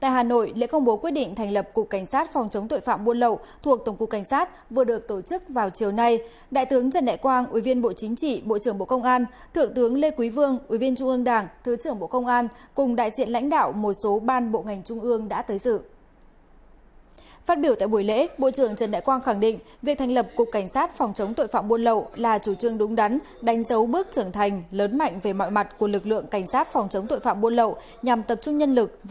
hãy đăng ký kênh để ủng hộ kênh của chúng mình nhé